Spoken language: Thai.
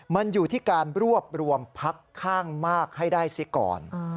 มันอยู่ที่การรวบรวมพักข้างมากให้ได้ซิก่อน